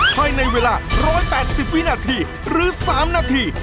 ภายในเวลา๑๘๐วินาทีหรือ๓นาที